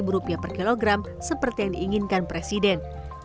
rp empat belas per kilogram seperti yang diinginkan presiden